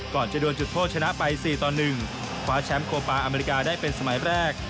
ก่อนจะดวนจุดโทษชนะไป๔ต่อ๑คว้าแชมป์โคปาอเมริกาได้เป็นสมัยแรก